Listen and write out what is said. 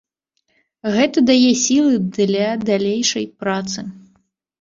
Гэта дае сілы для далейшай працы.